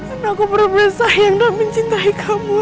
karena aku berbesar yang gak mencintai kamu raja